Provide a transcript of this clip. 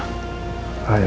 gak perlu ya